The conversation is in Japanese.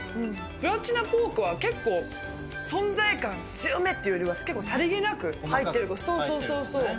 プラチナポークは、結構、存在感強めっていうよりは、結構、さりげなく入ってる。